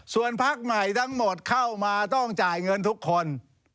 ส่วนพักใหม่ทั้งหมดเข้ามาต้องจ่ายเงินทุกคน